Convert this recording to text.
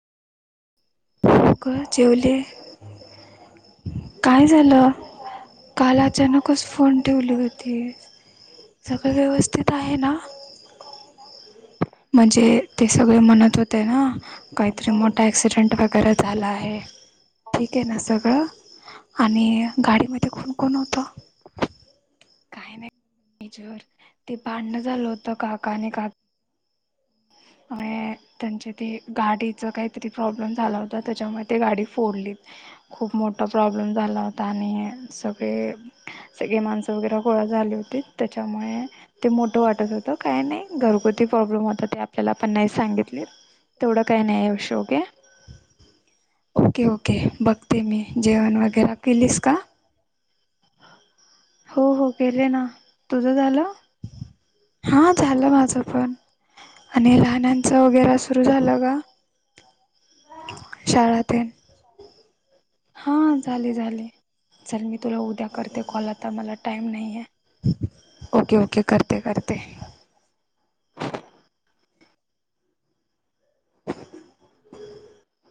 हो काय जेवले काय झालं काल अचानकच फोन ठेवली होतीस सगळ व्यवस्थित आहे ना म्हणजे ते सगळे म्हणत होते ना काहीतरी मोठा ऍक्सिडेंट वगैरे झाला आहे ठीक आहे ना सगळं आणि गाडीमध्ये कोण कोण होत ज वर ते भांडण झालं होत काकाने काक [inaudible] त्यांचे ते गाडीच काहीतरी प्रॉब्लेम झाला होता त्याच्यामुळे ते गाडी फोडलीत खूप मोठा प्रॉब्लेम झाला होता आणि सगळे सगळी माणसं वगैरे गोळा झाली होती त्याच्यामुळे ते मोठं वाटत होतं काय नाही घरगुती प्रॉब्लेम होता त्या त्याला पण नाही सांगितलीत तेवढं काय नाही विशो घे ओके ओके बघते मी जेवण वगैरा केलीस का हो हो केले ना तुझं झालं हा झालं माझ पण आणि लहानांच वगैर सुरू झालं का शाळातेन हां झाले झाले चल मी तुला उद्या करते कॉल आता मला टाईम नाही आहे ओके ओके करते करते